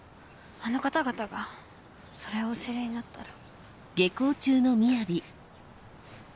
あの方々がそれをお知りになったら。